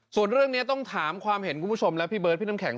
ส่วนเรื่องนี้ต้องถามความเห็นคุณผู้ชมและพี่เบิร์ดพี่น้ำแข็ง